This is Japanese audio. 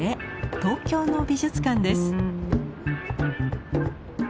東京の美術館です。